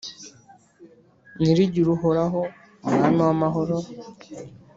Nyirigir’uhoraho umwami w’amahoro.